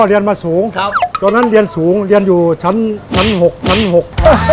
เรียนมาสูงครับตอนนั้นเรียนสูงเรียนอยู่ชั้นชั้นหกชั้นหก